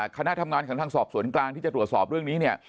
คณะทำงานของทางสอบสวนกลางที่จะตรวจสอบเรื่องนี้เนี่ย